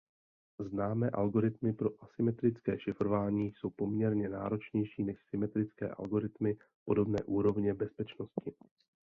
Známé algoritmy pro asymetrické šifrování jsou poměrně náročnější než symetrické algoritmy podobné úrovně bezpečnosti.